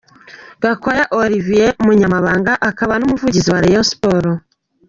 Gakwaya Olivier umunyamabanga akaba n'umuvugizi wa Rayon Sports.